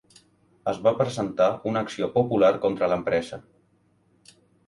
Es va presentar una acció popular contra l'empresa.